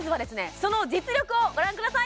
その実力をご覧ください